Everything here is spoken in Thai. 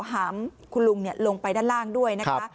หามคุณลุงลงไปด้านล่างด้วยนะคะ